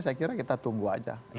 saya kira kita tunggu aja